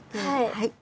はい。